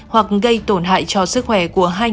hoặc gây tổn hại cho sức khỏe của hàng giả